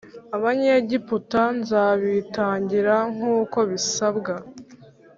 Abanyegiputa nzabitangira nkuko bisabwa